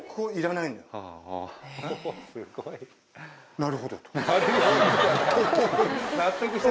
なるほど。